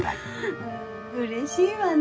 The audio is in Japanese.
うれしいわねぇ。